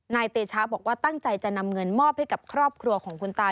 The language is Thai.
เตชะบอกว่าตั้งใจจะนำเงินมอบให้กับครอบครัวของคุณตา